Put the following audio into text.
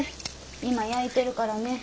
今焼いてるからね。